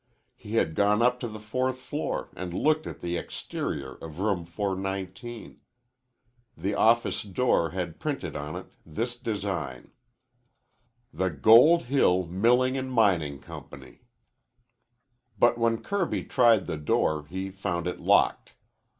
He had gone up to the fourth floor and looked at the exterior of Room 419. The office door had printed on it this design: THE GOLD HILL MILLING & MINING COMPANY But when Kirby tried the door he found it locked.